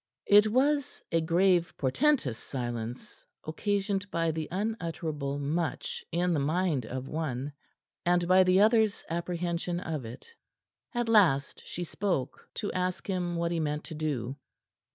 It was a grave, portentous silence, occasioned by the unutterable much in the mind of one, and by the other's apprehension of it. At last she spoke, to ask him what he meant to do.